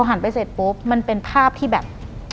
หันไปเสร็จปุ๊บมันเป็นภาพที่แบบ